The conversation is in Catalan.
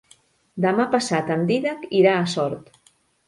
Demà passat en Dídac irà a Sort.